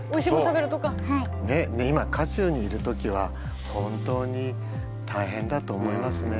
今渦中にいる時は本当に大変だと思いますね。